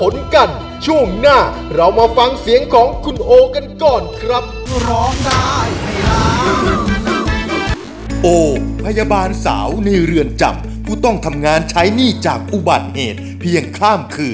งั้นเชิญพี่โอเลยค่ะมาเชิญเลยค่ะ